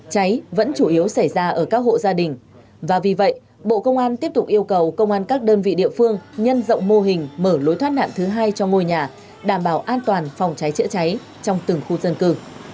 cháy vẫn chủ yếu xảy ra ở các hộ gia đình và vì vậy bộ công an tiếp tục yêu cầu công an các đơn vị địa phương nhân rộng mô hình mở lối thoát nạn thứ hai cho ngôi nhà đảm bảo an toàn phòng cháy chữa cháy trong từng khu dân cư